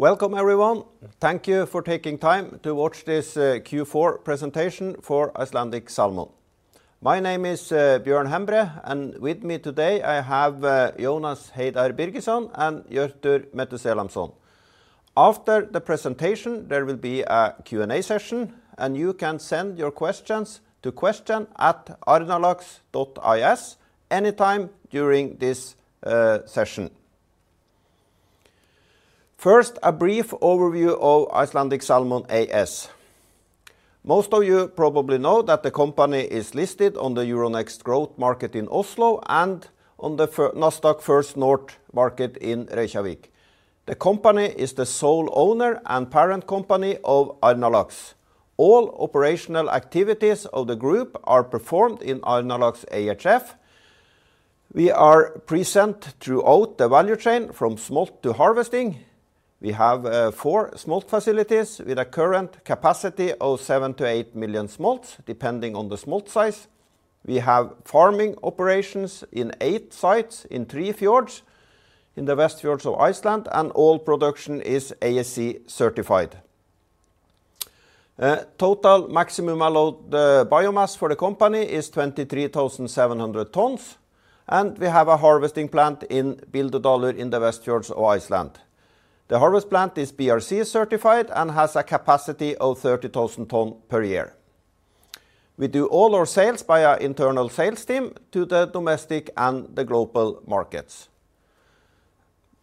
Welcome, everyone. Thank you for taking time to watch this Q4 presentation for Icelandic Salmon. My name is Björn Hembre, and with me today I have Jónas Heiðar Birgisson and Hjörtur Methúsalemsson. After the presentation, there will be a Q&A session, and you can send your questions to question@arnarlax.is anytime during this session. First, a brief overview of Icelandic Salmon AS. Most of you probably know that the company is listed on the Euronext Growth Market in Oslo and on the Nasdaq First North Market in Reykjavík. The company is the sole owner and parent company of Arnarlax. All operational activities of the group are performed in Arnarlax ehf. We are present throughout the value chain from smolt to harvesting. We have four smolt facilities with a current capacity of 7-8 million smolts, depending on the smolt size. We have farming operations in eight sites in three fjords in the West Fjords of Iceland, and all production is ASC certified. Total maximum allowed biomass for the company is 23,700 tons, and we have a harvesting plant in Bíldudalur in the Westfjords of Iceland. The harvest plant is BRC certified and has a capacity of 30,000 tons per year. We do all our sales via internal sales team to the domestic and the global markets.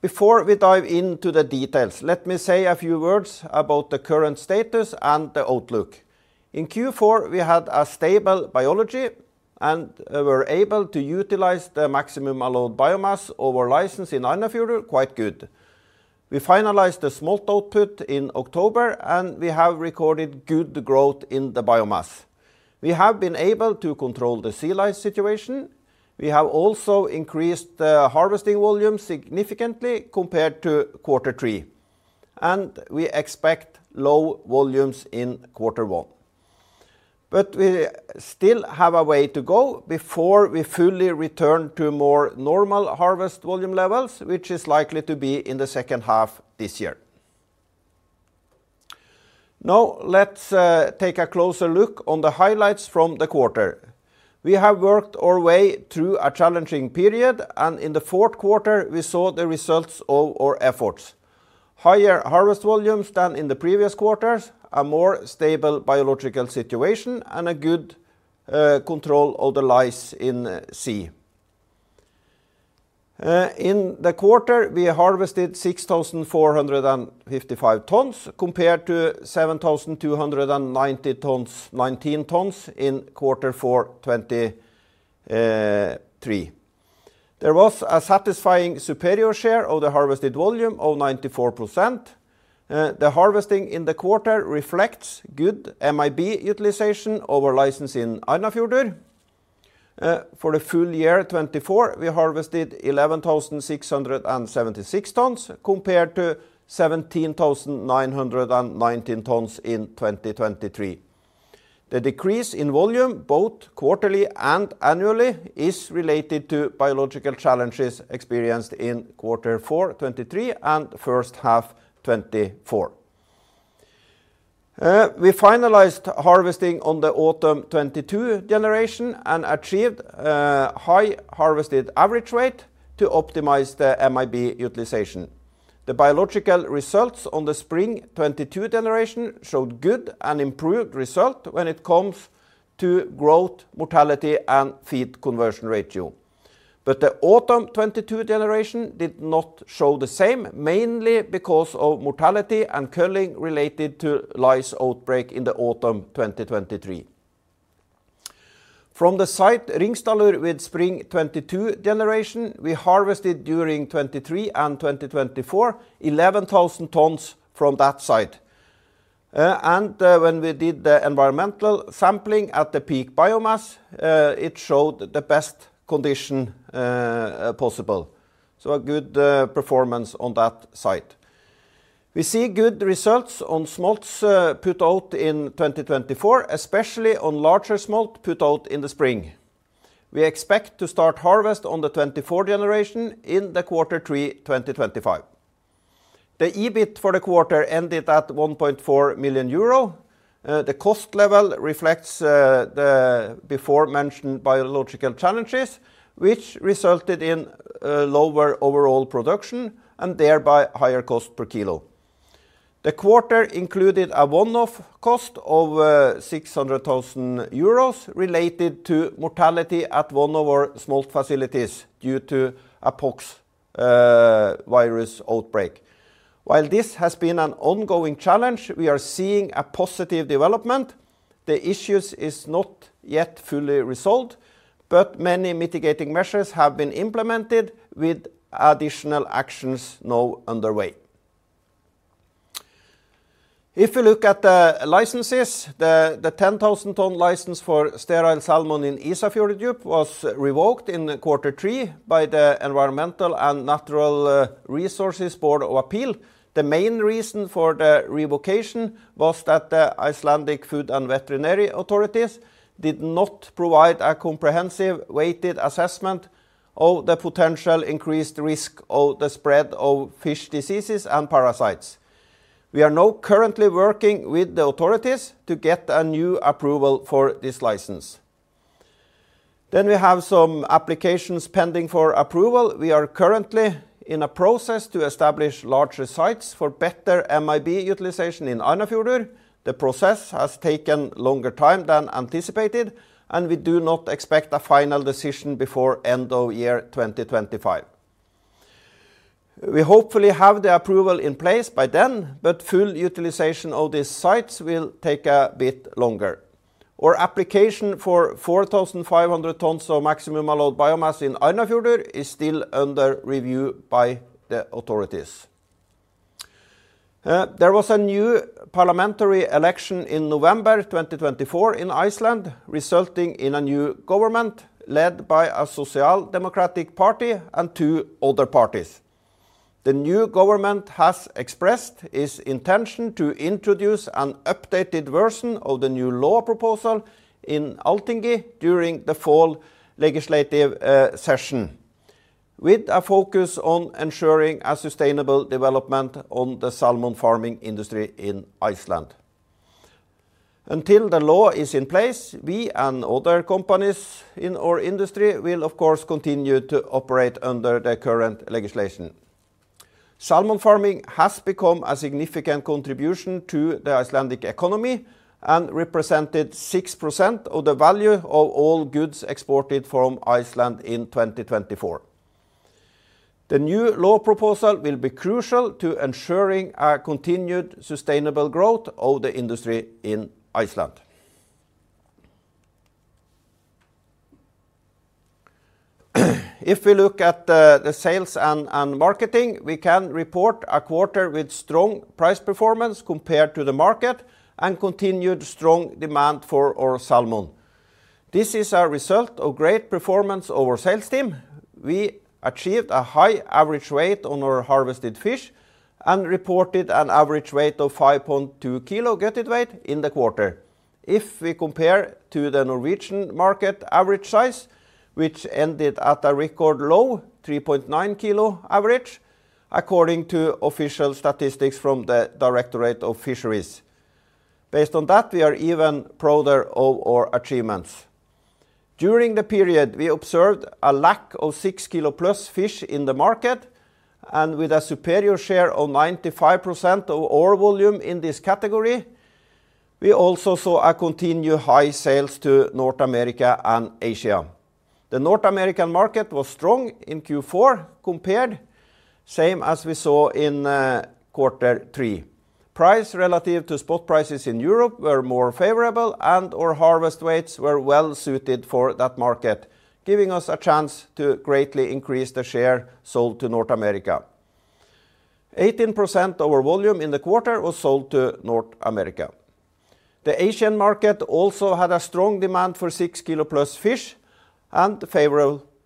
Before we dive into the details, let me say a few words about the current status and the outlook. In Q4, we had a stable biology and were able to utilize the maximum allowed biomass over license in Arnarfjörður quite well. We finalized the smolt output in October, and we have recorded good growth in the biomass. We have been able to control the sea lice situation. We have also increased the harvesting volume significantly compared to Q3, and we expect low volumes in Q1. We still have a way to go before we fully return to more normal harvest volume levels, which is likely to be in the second half this year. Now, let's take a closer look on the highlights from the quarter. We have worked our way through a challenging period, and in the Q4, we saw the results of our efforts: higher harvest volumes than in the previous quarters, a more stable biological situation, and a good control of the lice in sea. In the quarter, we harvested 6,455 tons compared to 7,290 tons in Q4 2023. There was a satisfying superior share of the harvested volume of 94%. The harvesting in the quarter reflects good MAB utilization over license in Arnarfjörður. For the full year 2024, we harvested 11,676 tons compared to 17,919 tons in 2023. The decrease in volume, both quarterly and annually, is related to biological challenges experienced in Q4 2023 and the first half of 2024. We finalized harvesting on the autumn 2022 generation and achieved a high harvested average rate to optimize the MAB utilization. The biological results on the spring 2022 generation showed good and improved results when it comes to growth, mortality, and feed conversion ratio. The autumn 2022 generation did not show the same, mainly because of mortality and culling related to lice outbreak in the autumn 2023. From the site Ringstaðir with spring 2022 generation, we harvested during 2023 and 2024 11,000 tons from that site. When we did the environmental sampling at the peak biomass, it showed the best condition possible. A good performance on that site. We see good results on smolts put out in 2024, especially on larger smolt put out in the spring. We expect to start harvest on the 2024 generation in Q3 2025. The EBIT for the quarter ended at 1.4 million euro. The cost level reflects the before-mentioned biological challenges, which resulted in lower overall production and thereby higher cost per kilo. The quarter included a one-off cost of 600,000 euros related to mortality at one of our smolt facilities due to a pox virus outbreak. While this has been an ongoing challenge, we are seeing a positive development. The issue is not yet fully resolved, but many mitigating measures have been implemented with additional actions now underway. If we look at the licenses, the 10,000-tonne license for sterile salmon in Ísafjörður was revoked in Q3 by the Environmental and Natural Resources Board of Appeal. The main reason for the revocation was that the Icelandic Food and Veterinary Authorities did not provide a comprehensive weighted assessment of the potential increased risk of the spread of fish diseases and parasites. We are now currently working with the authorities to get a new approval for this license. We have some applications pending for approval. We are currently in a process to establish larger sites for better MAB utilization in Arnarfjörður. The process has taken longer time than anticipated, and we do not expect a final decision before the end of year 2025. We hopefully have the approval in place by then, but full utilization of these sites will take a bit longer. Our application for 4,500 tons of maximum allowed biomass in Arnarfjörður is still under review by the authorities. There was a new parliamentary election in November 2024 in Iceland, resulting in a new government led by a Social Democratic Party and two other parties. The new government has expressed its intention to introduce an updated version of the new law proposal in Althingi during the fall legislative session, with a focus on ensuring a sustainable development of the salmon farming industry in Iceland. Until the law is in place, we and other companies in our industry will, of course, continue to operate under the current legislation. Salmon farming has become a significant contribution to the Icelandic economy and represented 6% of the value of all goods exported from Iceland in 2024. The new law proposal will be crucial to ensuring a continued sustainable growth of the industry in Iceland. If we look at the sales and marketing, we can report a quarter with strong price performance compared to the market and continued strong demand for our salmon. This is a result of great performance of our sales team. We achieved a high average weight on our harvested fish and reported an average weight of 5.2 kg gutted weight in the quarter. If we compare to the Norwegian market average size, which ended at a record low 3.9 kg average, according to official statistics from the Directorate of Fisheries, based on that, we are even prouder of our achievements. During the period, we observed a lack of 6 kg plus fish in the market and with a superior share of 95% of our volume in this category. We also saw a continued high sales to North America and Asia. The North American market was strong in Q4 compared, same as we saw in Q3. Price relative to spot prices in Europe were more favorable, and our harvest weights were well suited for that market, giving us a chance to greatly increase the share sold to North America. 18% of our volume in the quarter was sold to North America. The Asian market also had a strong demand for 6 kg plus fish and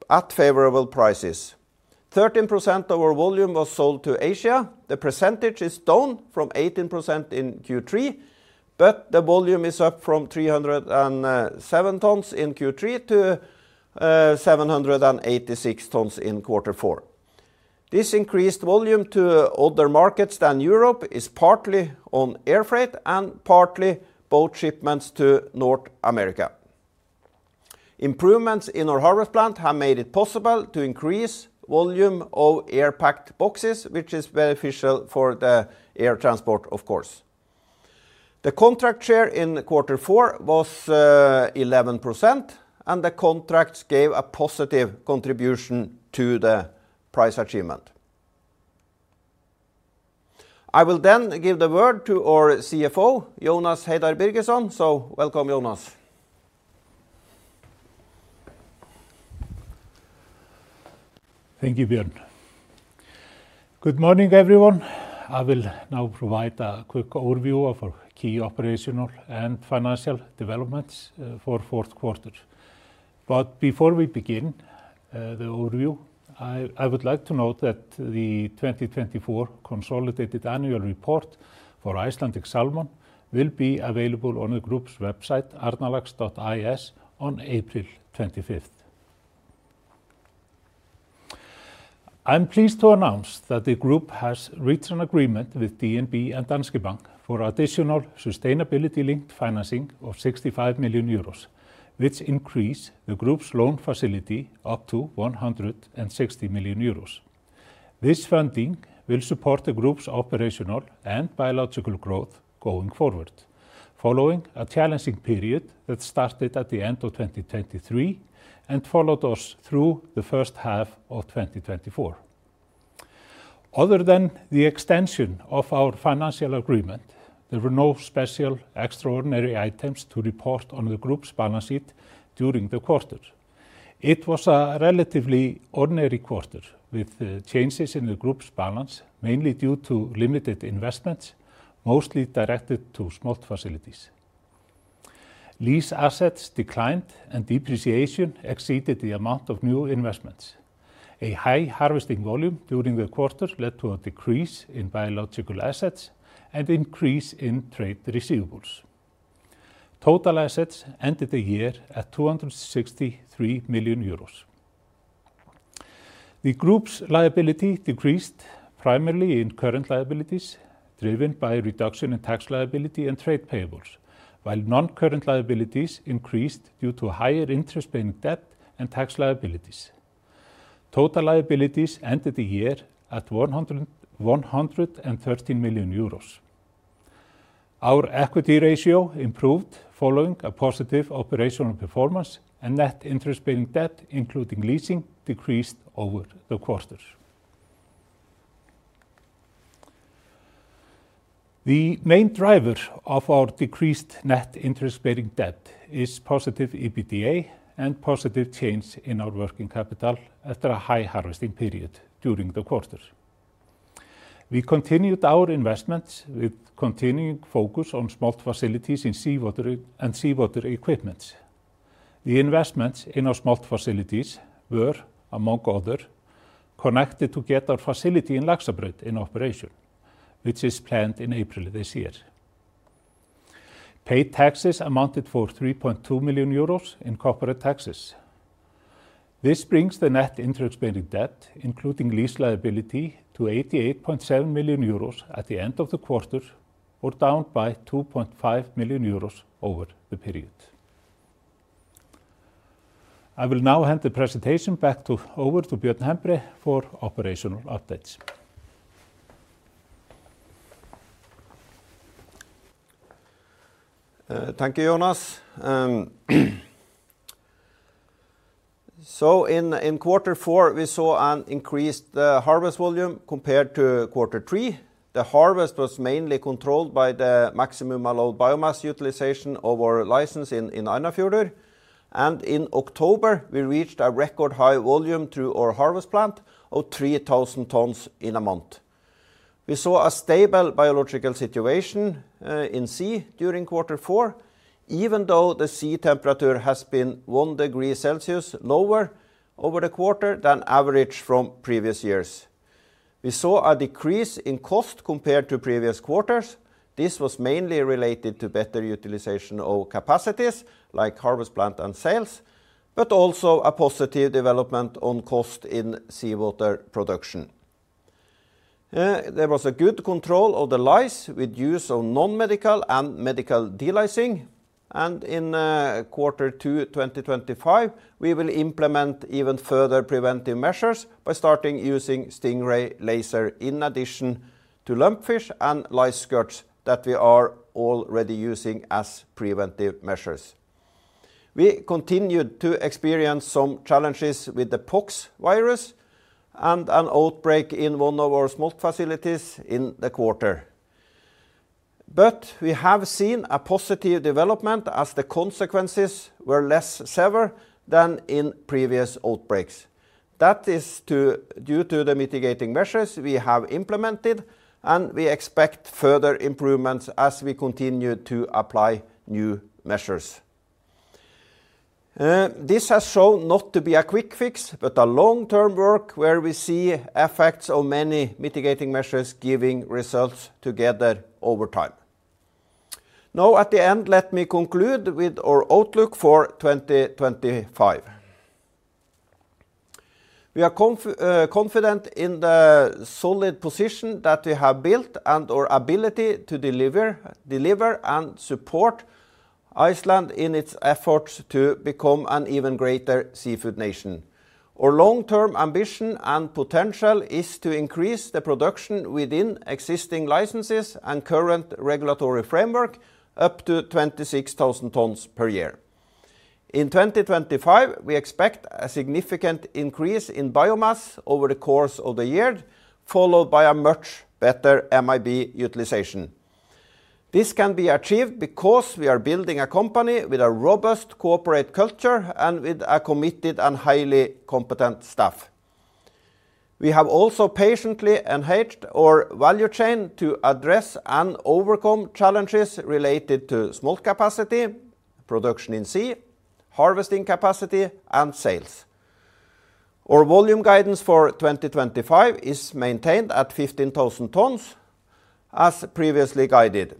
at favorable prices. 13% of our volume was sold to Asia. The percentage is down from 18% in Q3, but the volume is up from 307 tons in Q3 to 786 tons in Q4. This increased volume to other markets than Europe is partly on air freight and partly boat shipments to North America. Improvements in our harvest plant have made it possible to increase volume of air-packed boxes, which is beneficial for the air transport, of course. The contract share in Q4 was 11%, and the contracts gave a positive contribution to the price achievement. I will then give the word to our CFO, Jónas Heiðar Birgisson. So, welcome, Jónas. Thank you, Björn. Good morning, everyone. I will now provide a quick overview of our key operational and financial developments for the Q4. Before we begin the overview, I would like to note that the 2024 consolidated annual report for Icelandic Salmon will be available on the group's website, arnarlax.is, on April 25th. I'm pleased to announce that the group has reached an agreement with DNB and Danske Bank for additional sustainability-linked financing of 65 million euros, which increases the group's loan facility up to 160 million euros. This funding will support the group's operational and biological growth going forward, following a challenging period that started at the end of 2023 and followed us through the first half of 2024. Other than the extension of our financial agreement, there were no special extraordinary items to report on the group's balance sheet during the quarter. It was a relatively ordinary quarter with changes in the group's balance, mainly due to limited investments, mostly directed to smolt facilities. These assets declined, and depreciation exceeded the amount of new investments. A high harvesting volume during the quarter led to a decrease in biological assets and increase in trade receivables. Total assets ended the year at 263 million euros. The group's liability decreased primarily in current liabilities driven by a reduction in tax liability and trade payables, while non-current liabilities increased due to higher interest-bearing debt and tax liabilities. Total liabilities ended the year at 113 million euros. Our equity ratio improved following a positive operational performance, and net interest-bearing debt, including leasing, decreased over the quarter. The main driver of our decreased net interest-bearing debt is positive EBITDA and positive change in our working capital after a high harvesting period during the quarter. We continued our investments with continued focus on smolt facilities and seawater equipment. The investments in our smolt facilities were, among other, connected to get our facility in Laxabraut in operation, which is planned in April this year. Paid taxes amounted to 3.2 million euros in corporate taxes. This brings the net interest-bearing debt, including lease liability, to 88.7 million euros at the end of the quarter, or down by 2.5 million euros over the period. I will now hand the presentation back over to Björn Hembre for operational updates. Thank you, Jónas. In Q4, we saw an increased harvest volume compared to Q3. The harvest was mainly controlled by the maximum allowed biomass utilization of our license in Arnarfjörður. In October, we reached a record high volume through our harvest plant of 3,000 tons in a month. We saw a stable biological situation in sea during Q4, even though the sea temperature has been 1 degree Celsius lower over the quarter than average from previous years. We saw a decrease in cost compared to previous quarters. This was mainly related to better utilization of capacities like harvest plant and sales, but also a positive development on cost in seawater production. There was a good control of the lice with use of non-medical and medical de-licing. In Q2 2025, we will implement even further preventive measures by starting using Stingray laser in addition to lumpfish and lice skirts that we are already using as preventive measures. We continued to experience some challenges with the pox virus and an outbreak in one of our smolt facilities in the quarter. We have seen a positive development as the consequences were less severe than in previous outbreaks. That is due to the mitigating measures we have implemented, and we expect further improvements as we continue to apply new measures. This has shown not to be a quick fix, but a long-term work where we see effects of many mitigating measures giving results together over time. Now, at the end, let me conclude with our outlook for 2025. We are confident in the solid position that we have built and our ability to deliver and support Iceland in its efforts to become an even greater seafood nation. Our long-term ambition and potential is to increase the production within existing licenses and current regulatory framework up to 26,000 tons per year. In 2025, we expect a significant increase in biomass over the course of the year, followed by a much better MAB utilization. This can be achieved because we are building a company with a robust corporate culture and with a committed and highly competent staff. We have also patiently enhanced our value chain to address and overcome challenges related to smolt capacity, production in sea, harvesting capacity, and sales. Our volume guidance for 2025 is maintained at 15,000 tons, as previously guided,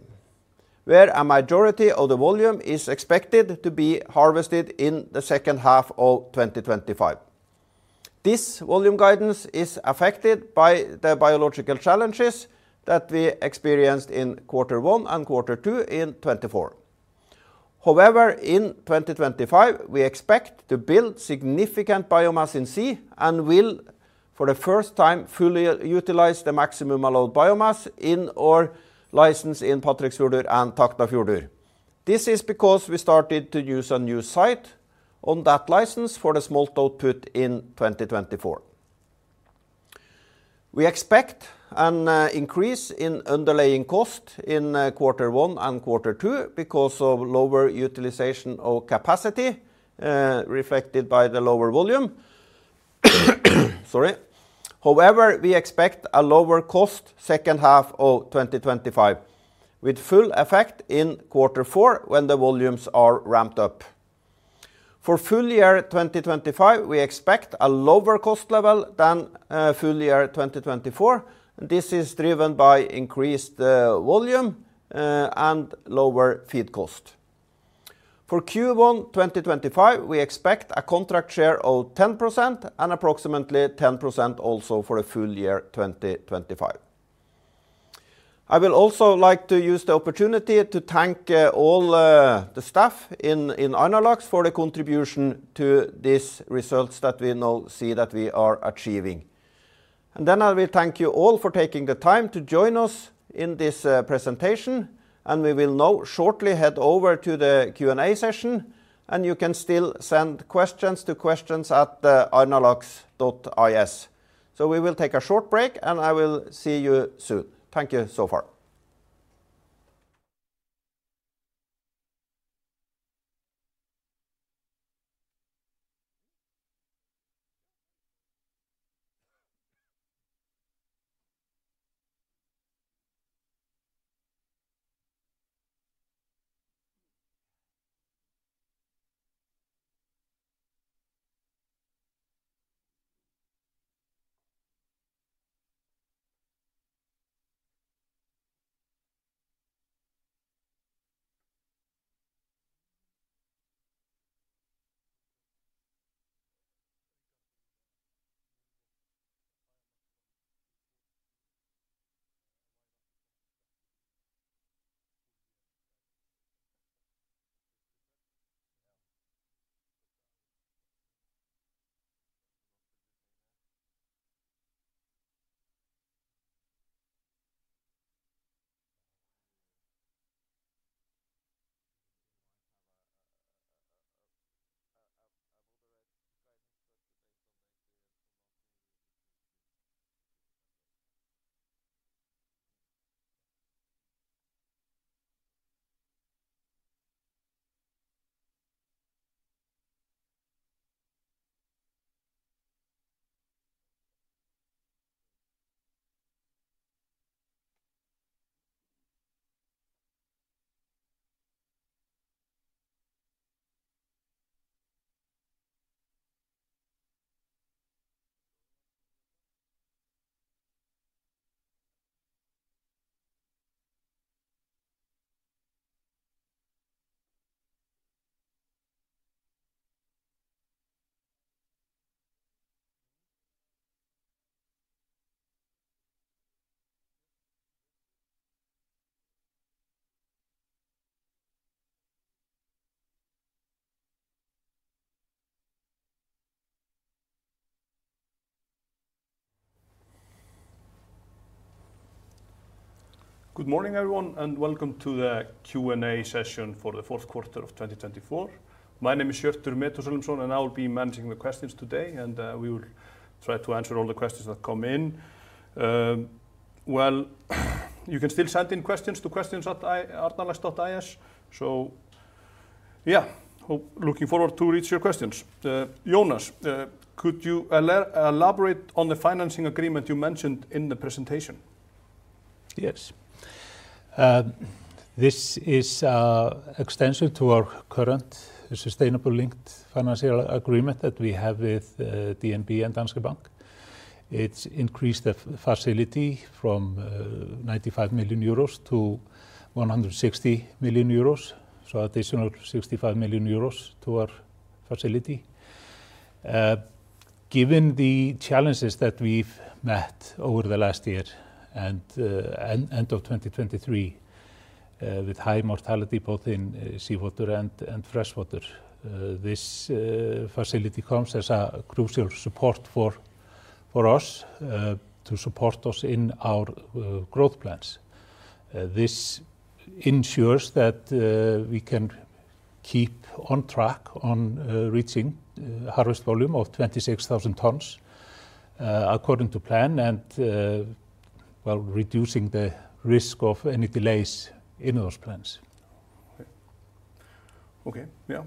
where a majority of the volume is expected to be harvested in the second half of 2025. This volume guidance is affected by the biological challenges that we experienced in Q1 and Q2 in 2024. However, in 2025, we expect to build significant biomass in sea and will, for the first time, fully utilize the maximum allowed biomass in our license in Patreksfjörður and Tálknafjörður. This is because we started to use a new site on that license for the smolt output in 2024. We expect an increase in underlying cost in Q1 and Q2 because of lower utilization of capacity reflected by the lower volume. However, we expect a lower cost second half of 2025, with full effect in Q4 when the volumes are ramped up. For full year 2025, we expect a lower cost level than full year 2024, and this is driven by increased volume and lower feed cost. For Q1 2025, we expect a contract share of 10% and approximately 10% also for full year 2025. I would also like to use the opportunity to thank all the staff in Arnarlax for the contribution to these results that we now see that we are achieving. I will thank you all for taking the time to join us in this presentation, and we will now shortly head over to the Q&A session. You can still send questions to questions@arnarlax.is. We will take a short break, and I will see you soon. Thank you so far. Okay. Good morning, everyone, and welcome to the Q&A session for the Q4 of 2024. My name is Hjörtur Methúsalemsson, and I will be managing the questions today, and we will try to answer all the questions that come in. You can still send in questions to questions@arnarlax.is, so yeah, looking forward to reading your questions. Jónas, could you elaborate on the financing agreement you mentioned in the presentation? Yes. This is an extension to our current sustainable-linked financial agreement that we have with DNB and Danske Bank. It has increased the facility from 95 million-160 million euros, so an additional 65 million euros to our facility. Given the challenges that we've met over the last year and end of 2023 with high mortality both in seawater and freshwater, this facility comes as a crucial support for us to support us in our growth plans. This ensures that we can keep on track on reaching a harvest volume of 26,000 tons according to plan and, well, reducing the risk of any delays in those plans. Okay. Yeah.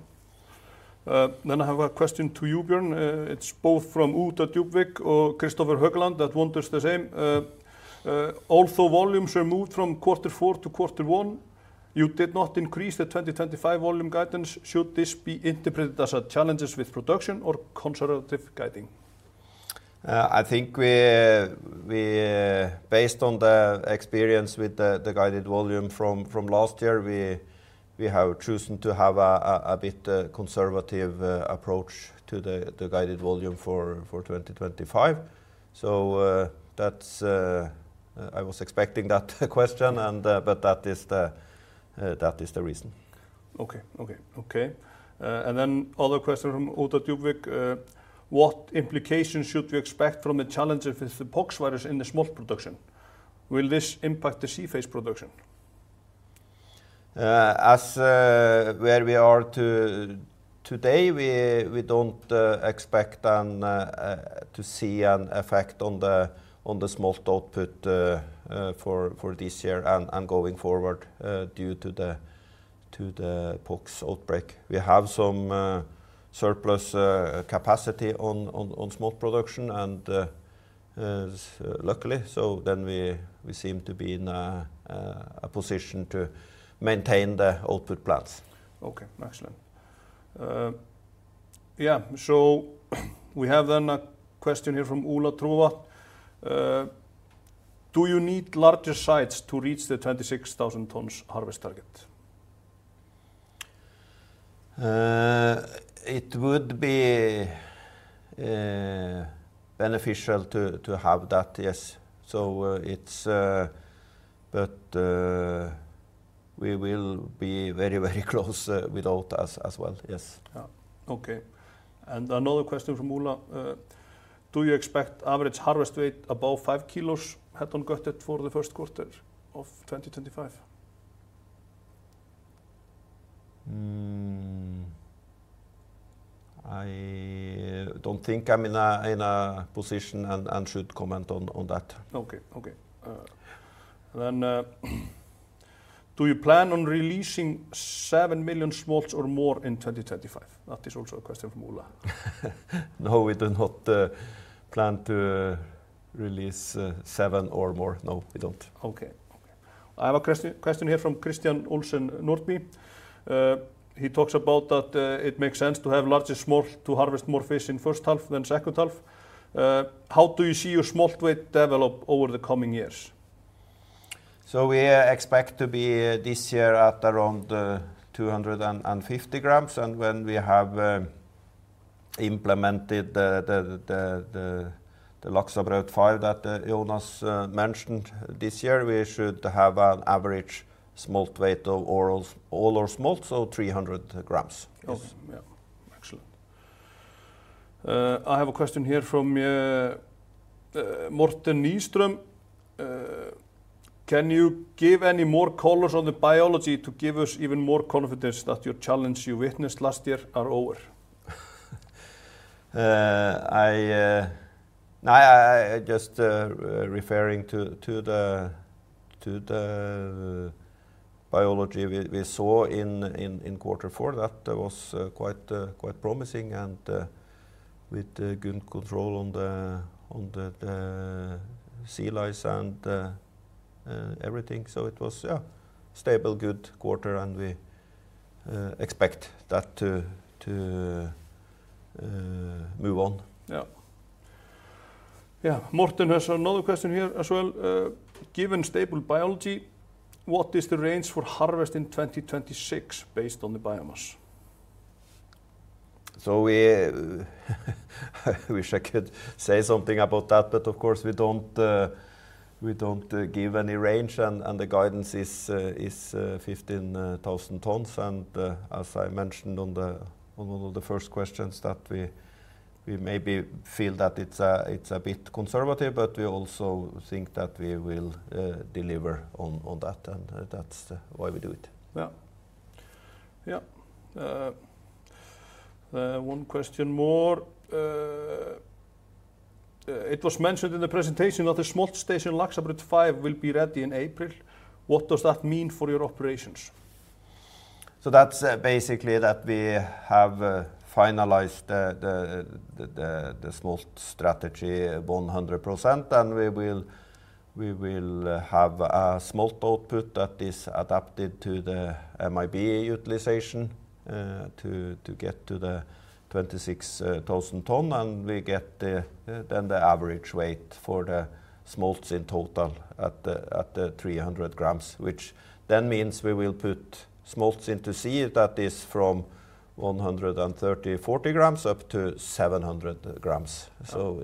I have a question to you, Björn. It's both from Oda Djupvik or Kristoffer Haugland that wonders the same. Although volumes are moved from Q4 to Q1, you did not increase the 2025 volume guidance. Should this be interpreted as challenges with production or conservative guiding? I think we, based on the experience with the guided volume from last year, we have chosen to have a bit conservative approach to the guided volume for 2025. I was expecting that question, but that is the reason. Okay. Okay. Okay. Another question from Oda Djupvik. What implications should we expect from the challenges with the pox virus in the smolt production? Will this impact the sea phase production? As where we are today, we don't expect to see an effect on the smolt output for this year and going forward due to the pox outbreak. We have some surplus capacity on smolt production, and luckily, so then we seem to be in a position to maintain the output plans. Okay. Excellent. Yeah. We have then a question here from Ola Trovatn. Do you need larger sites to reach the 26,000 tons harvest target? It would be beneficial to have that, yes. We will be very, very close without us as well, yes. Yeah. Okay. Another question from Ola. Do you expect average harvest weight above 5 kilos for the Q1 of 2025? I don't think I'm in a position and should comment on that. Okay. Okay. Do you plan on releasing 7 million smolts or more in 2025? That is also a question from Ola. No, we do not plan to release seven or more. No, we don't. Okay. Okay. I have a question here from Christian Olsen Nordby. He talks about that it makes sense to have larger smolts to harvest more fish in the first half than the second half. How do you see your smolt weight develop over the coming years? We expect to be this year at around 250 g. When we have implemented the Laxabraut 5 that Jónas mentioned this year, we should have an average smolt weight of all our smolts, so 300 g. Yes. Yeah. Excellent. I have a question here from Morten Nystrøm. Can you give any more colors on the biology to give us even more confidence that your challenges you witnessed last year are over? Just referring to the biology we saw in Q4, that was quite promising and with good control on the sea lice and everything. It was a stable, good quarter, and we expect that to move on. Yeah. Yeah. Morten has another question here as well. Given stable biology, what is the range for harvest in 2026 based on the biomass? We could say something about that, but of course, we don't give any range, and the guidance is 15,000 tons. As I mentioned on one of the first questions, we maybe feel that it's a bit conservative, but we also think that we will deliver on that, and that's why we do it. Yeah. Yeah. One question more. It was mentioned in the presentation that the smolt station Laxabraut 5 will be ready in April. What does that mean for your operations? That's basically that we have finalized the smolt strategy 100%, and we will have a smolt output that is adapted to the MAB utilization to get to the 26,000 tons, and we get then the average weight for the smolts in total at 300 g, which then means we will put smolts into sea that is from 130-140 g up to 700 g.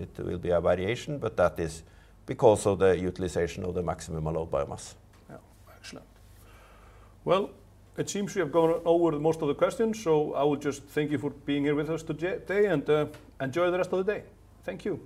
It will be a variation, but that is because of the utilization of the maximum allowed biomass. Excellent. It seems we have gone over most of the questions, so I would just thank you for being here with us today and enjoy the rest of the day. Thank you.